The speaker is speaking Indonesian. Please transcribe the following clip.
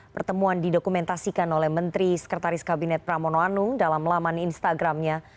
pertemuan didokumentasikan oleh menteri sekretaris kabinet pramono anung dalam laman instagramnya